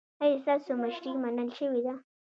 ایا ستاسو مشري منل شوې ده؟